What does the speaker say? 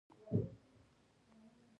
زما نړۍ کوچنۍ ده